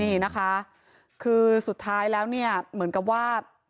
นี่นะคะคือสุดท้ายแล้วเนี่ยเหมือนกับว่า